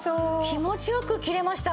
気持ちよく切れました。